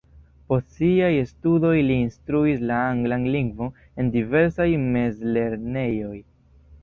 Post siaj studoj li instruis la anglan lingvon en diversaj mezlernejoj.